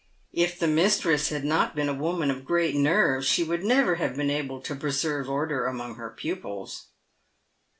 If the mistress had not been a woman of great nerve she would never have been able to preserve order among her pupils.